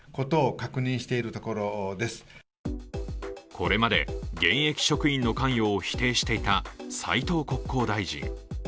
これまで現役職員の関与を否定していた斉藤国交大臣。